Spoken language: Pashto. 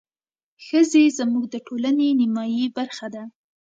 ښځې زموږ د ټولنې نيمايي برخه ده.